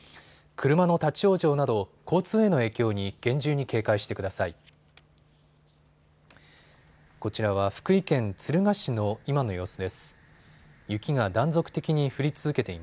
車の立往生など交通への影響に厳重に警戒してください。